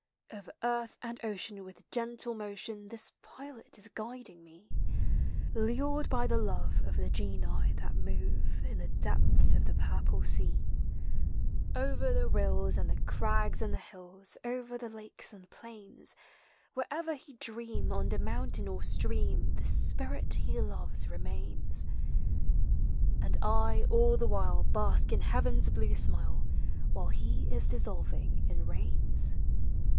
Over earth and ocean, will, gentle motion, This pilot is guiding me, Lured by the love of (he genii thai move 1„ the depths of the purpl* sea; Over the rills and (he crags and the h'Ms. Over the lakes and plains, Wherever he dream, under mountain or stream J The spirit he loves remains; 134 POEMS OF XATURE. And I all the while bask in heaven's blue smile, Whilst he is dissolving in rains.